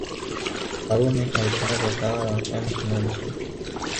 Karume alitangaza utawala wa chama kimoja tu